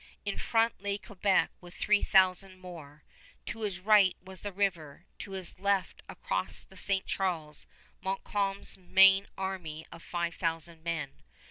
In front lay Quebec with three thousand more. To his right was the river; to his left, across the St. Charles, Montcalm's main army of five thousand men.